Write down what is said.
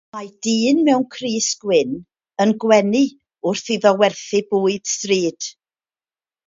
Mae dyn mewn crys gwyn yn gwenu wrth iddo werthu bwyd stryd